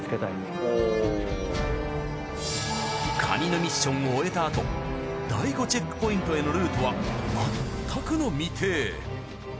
カニのミッションを終えたあと第５チェックポイントへのルートはまったくの未定。